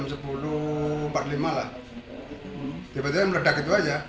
tiba tiba itu saja yang terjadi